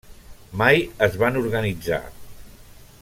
Mai es van organitzar.